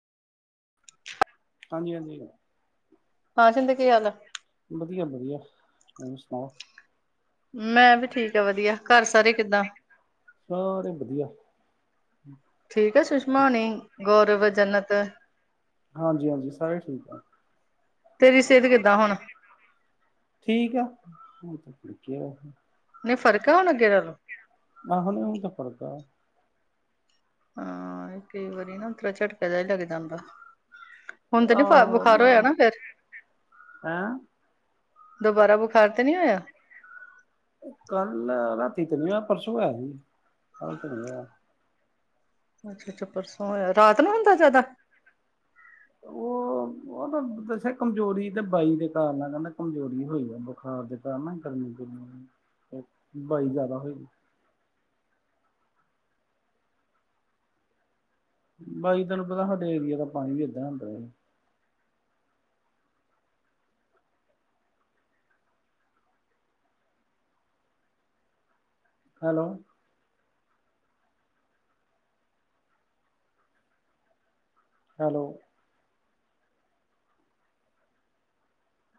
ਹਾਂਜੀ- ਹਾਂਜੀ ਦੇ ਕੀ ਹਾਲ ਐ ਵਦੀਆ ਵਦੀਆ ਤੁਸੀਂ ਸੁਨਾਓ ਮੈਂ ਵੀ ਠੀਕ ਆ ਵਦੀਆ, ਘਰ ਸਾਰੇ ਕਿੱਦਾਂ ਸਾਰੇ ਵਦੀਆ ਠੀਕ ਹੈ ਸੁਸ਼ਮਾ ਹੋਨੀ, ਗੌਰਵ, ਜਨਤ ਹਾਂਜੀ-ਹਾਂਜੀ ਸਾਰੇ ਠੀਕ ਐ ਤੇਰੀ ਸਿਹਤ ਕਿੱਦਾਂ ਹੁਣ ਠੀਕ ਆ, ਹੁਨ ਤੇ ਠੀਕ ਆ ਨਹੀਂ ਫ਼ਰਕ ਹੈ ਹੁਨ ਅੱਗੇ ਨਾਲੋਂ ਨਾ ਹੁਣ ਤੇ ਫ਼ਰਕ ਐ ਹਾਂ ਕਈ ਵਾਰੀ ਨਾ ਥੋੜਾ ਝਟਕ ਜੇਆ ਹੀ ਲੱਗ ਜਾਂਦਾ ਹੁਨ ਤੇ ਨੀਂ ਫ ਬੁਖਾਰ ਹੋਇਆ ਨਾ ਫੇਰ ਹੈਂ ਦੁਬਾਰਾ ਬੁਖਾਰ ਤੇ ਨਹੀਂ ਹੋਇਆ ਕੱਲ ਰਾਤੀ ਗਈਆਂ ਪਰਸੋਂ ਹੈ ਨੀਂ ਸੀ। ਕੱਲ ਤਾਂ ਗਈਆਂ ਅੱਛਾ-ਅੱਛਾ ਪਰਸੋਂ ਹੋਇਆ, ਰਾਤ ਨੂੰ ਹੁੰਦਾ ਜ਼ਿਆਦਾ ਉਹ ਉਹ ਤਾਂ ਵੈਸੇ ਕਮਜ਼ੋਰੀ ਤੇ ਬਾਈ ਦੇ ਕਾਰਨ ਕਹਿੰਦਾ ਕਮਜ਼ੋਰੀ ਹੋਈ ਆ ਬੁਖਾਰ ਗਰਮੀ ਗੁਰਮੀ ਬਾਈ ਜ਼ਿਆਦਾ ਹੋਈ ਆ ਬਾਈ ਤਾਹਨੂੰ ਪਤਾ ਸਾਡੇ ਏਰੀਏ ਦਾ ਪਾਨੀ ਵੀ ਏਦਾਂ ਹੁੰਦਾ ਹੈ। Hello hello